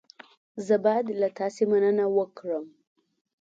زه باید له تاسې مننه وکړم.